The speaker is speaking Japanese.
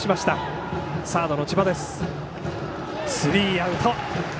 スリーアウト。